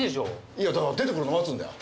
いやだから出てくるの待つんだよ